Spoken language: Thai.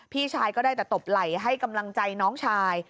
พี่ชายก็ได้แต่ตบไหล่ให้กำลังใจน้องชาย